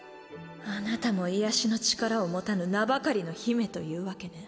あなたも癒やしの力を持たぬ名ばかりの姫というわけね。